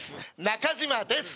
中島です。